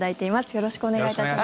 よろしくお願いします。